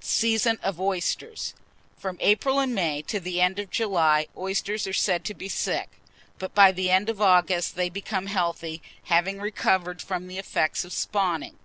SEASON OF OYSTERS. From April and May to the end of July, oysters are said to be sick; but by the end of August they become healthy, having recovered from the effects of spawning.